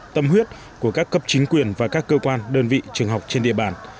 tâm huyết của các cấp chính quyền và các cơ quan đơn vị trường học trên địa bàn